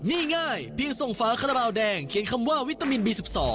นี่ง่ายเพียงส่งฝาคาราบาลแดงเขียนคำว่าวิตามินบี๑๒